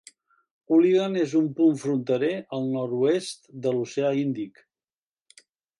Uligan és un punt fronterer al nord-oest de l'Oceà índic.